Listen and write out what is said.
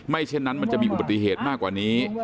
เช่นนั้นมันจะมีอุบัติเหตุมากกว่านี้